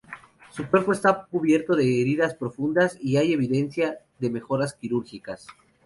Su cuerpo está cubierto de heridas profundas y hay evidencia de mejoras quirúrgicas.